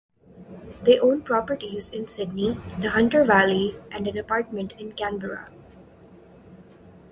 They own properties in Sydney, the Hunter Valley and an apartment in Canberra.